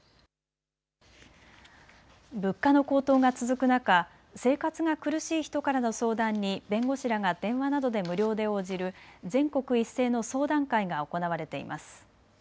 物価の高騰が続く中、生活が苦しい人からの相談に弁護士らが電話などで無料で応じる全国一斉の相談会が行われています。